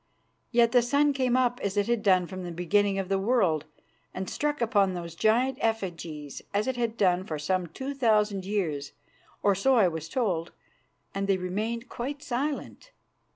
Yet the sun came up as it had done from the beginning of the world, and struck upon those giant effigies as it had done for some two thousand years, or so I was told, and they remained quite silent.